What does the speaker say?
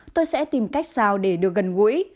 tôi sẽ tìm cách sao để được gần gũi